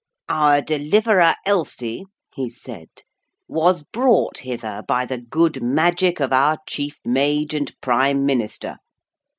'Our deliverer Elsie,' he said, 'was brought hither by the good magic of our Chief Mage and Prime Minister.